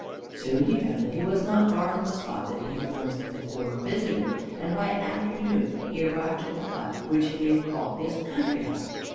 Soon he found that he was not far from a spot that he had once before visited, and by afternoon he arrived at the hut which he called his country house.